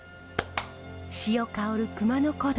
潮香る熊野古道